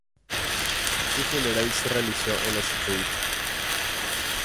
Su funeral se realizó en la St.